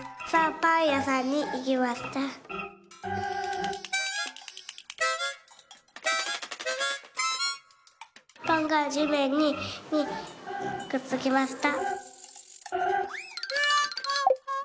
「パンがじめんにくっつきました」。